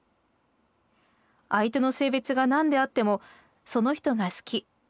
相手の性別がなんであってもそのひとが好き。